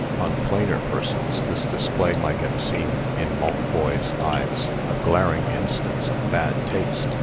On plainer persons, this display might have seemed, in Maltboy's eyes, a glaring instance of bad taste.